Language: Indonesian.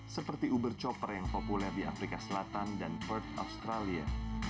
seperti uber chopper yang populer di afrika selatan dan perth australia